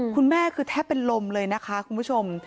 คุณแม่คือแทบเป็นลมเลยนะคะคุณผู้ชม